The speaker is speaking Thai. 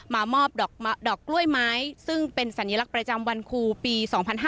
มามอบดอกกล้วยไม้ซึ่งเป็นสัญลักษณ์ประจำวันครูปี๒๕๕๙